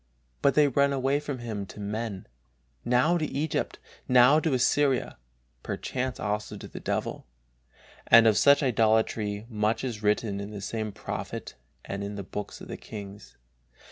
But they run away from Him to men, now to Egypt, now to Assyria, perchance also to the devil; and of such idolatry much is written in the same Prophet and in the Books of the Kings.